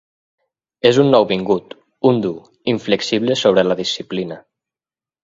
És un nouvingut, un dur, inflexible sobre la disciplina.